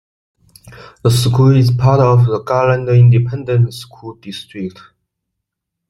The school is part of the Garland Independent School District.